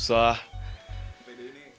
kisah pas kiberaika